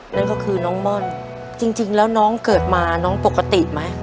นั่นก็คือน้องม่อนจริงแล้วน้องเกิดมาน้องปกติไหม